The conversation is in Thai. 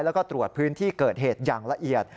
แล้วก็ตรวจพื้นที่เกิดเหตุอย่างละเอียด